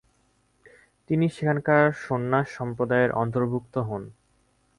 তিনি সেখানকার সন্ন্যাস সম্প্রদায়ের অন্তর্ভুক্ত হন।